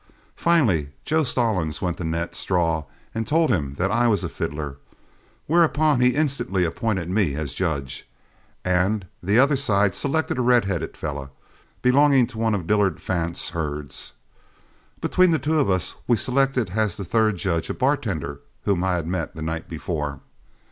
Finally, Joe Stallings went to Nat Straw and told him that I was a fiddler, whereupon he instantly appointed me as judge, and the other side selected a redheaded fellow belonging to one of Dillard Fant's herds. Between the two of us we selected as the third judge a bartender whom I had met the night before.